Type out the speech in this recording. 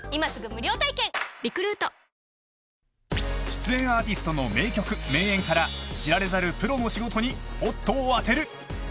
［出演アーティストの名曲名演から知られざるプロの仕事にスポットを当てる］